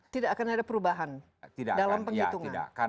tidak akan ada perubahan dalam penghitungan